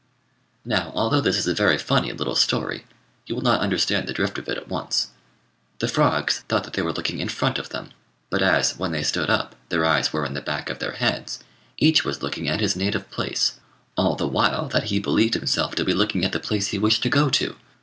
Now, although this is a very funny little story, you will not understand the drift of it at once. The frogs thought that they were looking in front of them; but as, when they stood up, their eyes were in the back of their heads, each was looking at his native place, all the while that he believed himself to be looking at the place he wished to go to.